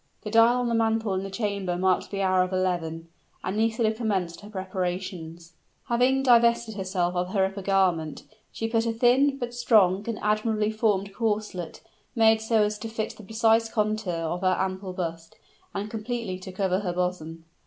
The dial on the mantel in the chamber marked the hour of eleven; and Nisida commenced her preparations. Having divested herself of her upper garment, she put on a thin, but strong, and admirably formed corselet, made so as to fit the precise contour of her ample bust, and completely to cover her bosom.